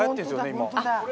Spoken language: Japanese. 今。